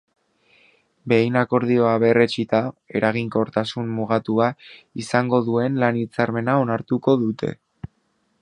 Behin akordioa berretsita, eraginkortasun mugatua izango duen lan hitzarmena onartuko dute.